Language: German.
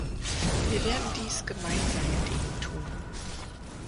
Wir werden dies gemeinsam mit Ihnen tun.